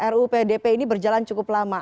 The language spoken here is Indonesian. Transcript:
ru pdp ini berjalan cukup lama